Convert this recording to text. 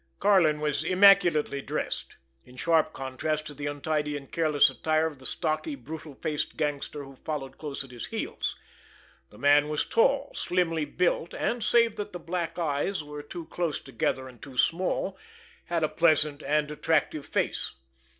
Karlin was immaculately dressed—in sharp contrast to the untidy and careless attire of the stocky, brutal faced gangster who followed close at his heels. The man was tall, slimly built, and, save that the black eyes were too close together and too small, had a pleasant and attractive face.